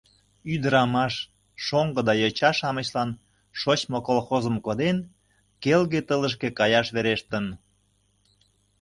ӱдырамаш, шоҥго да йоча-шамычлан, шочмо колхозым коден, келге тылышке каяш верештын.